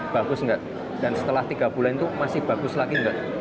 bagus enggak dan setelah tiga bulan itu masih bagus lagi enggak